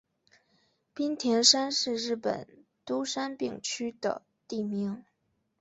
滨田山是东京都杉并区的地名。